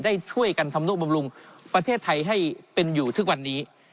ได้ช่วยกันทำนุบำรุงประเทศไทยให้เป็นอยู่ทุกวันนี้